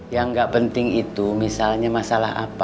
yang gak penting itu misalnya masalah apa